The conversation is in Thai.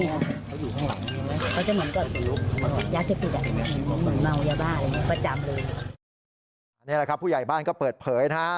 นี่แหละครับผู้ใหญ่บ้านก็เปิดเผยนะฮะ